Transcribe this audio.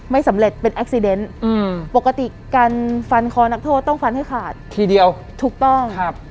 ไม่สำเร็จเป็นแอคซีเดนอืมปกติการฟันคอนักโทษต้องฟันให้ขาดทีเดียวถูกต้องครับ